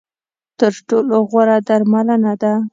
تر ټولو غوره درملنه ده .